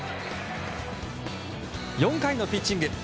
４回のピッチング。